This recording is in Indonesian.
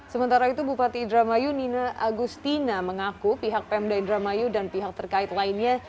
sementara itu bupati indramayu nina agustina mengaku pihak pemda indramayu dan pihak terkait lainnya